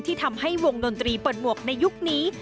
ทำให้วงดนตรีเปิดหมวกในยุคนี้